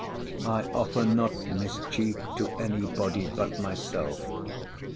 'I offer not mischief to any body but myself.